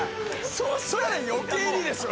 それ余計にでしょ・